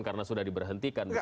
karena sudah diberhentikan